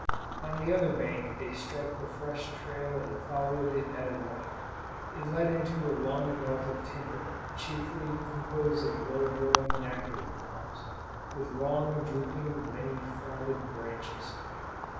On the other bank they struck the fresh trail and followed it at a run. It led into a long belt of timber, chiefly composed of low growing nacury palms, with long, drooping, many fronded branches.